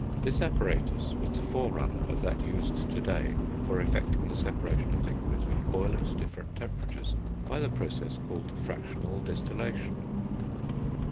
This apparatus was the forerunner of that used to day, for effecting the separation of liquids which boil at different temperatures, by the process called fractional distillation.